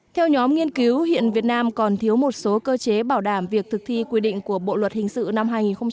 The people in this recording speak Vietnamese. theo nhóm nghiên cứu hiện việt nam còn thiếu một số cơ chế bảo đảm việc thực thi quy định của bộ luật hình sự năm hai nghìn một mươi năm